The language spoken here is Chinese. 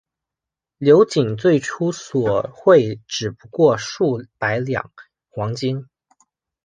刘瑾最初索贿只不过数百两黄金。